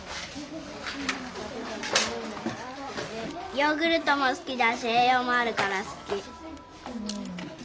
ヨーグルトも好きだし栄養もあるから好き。